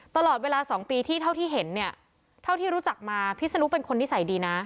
ตลอดเวลา๒ปีที่เท่าที่เห็นเนี่ยเท่าที่รู้จักมาพิษนุเป็นคนนิสัยดีนะ